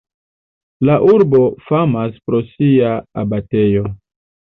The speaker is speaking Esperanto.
La urbo famas pro sia abatejo.